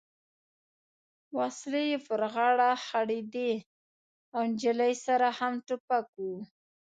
وسلې یې پر غاړه ځړېدې او نجلۍ سره هم ټوپک و.